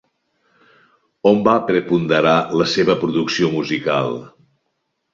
On va preponderar la seva producció musical?